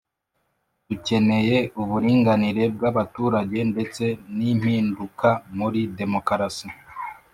Dukeneye uburinganire bw’abaturage ndetse n’impinduka muri demokarasi